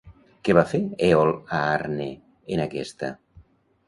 Què va fer Èol a Arne, en aquesta?